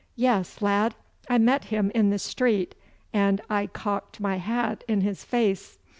Yes, lad! I met him in the street, and I cocked my hat in his face.